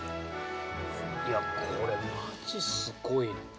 いやこれまじすごいね。